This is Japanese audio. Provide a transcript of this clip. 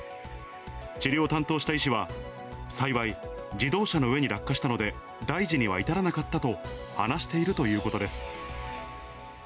治療を担当した医師は、幸い、自動車の上に落下したので、大事には至らなかったと話しているということです。